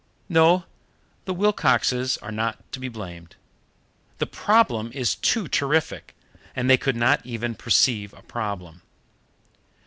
No; the Wilcoxes are not to be blamed. The problem is too terrific, and they could not even perceive a problem.